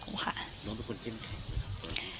น้องเป็นคนเข้มแข็งหรือเปล่า